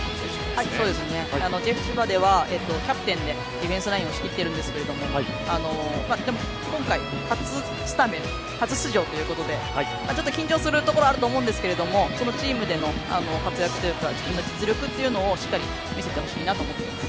ジェフ千葉では、キャプテンでディフェンスラインをしていましたが今回初スタメン初出場ということでちょっと緊張するところはあると思いますがチームでの活躍というか実力というのをしっかり見せてほしいなと思います。